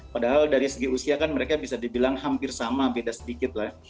padahal dari segi usia kan mereka bisa dibilang hampir sama beda sedikit lah